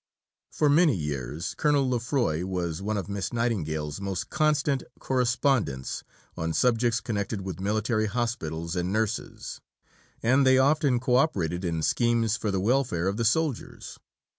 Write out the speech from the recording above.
For many years Colonel Lefroy was one of Miss Nightingale's most constant correspondents on subjects connected with military hospitals and nurses, and they often co operated in schemes for the welfare of the soldiers.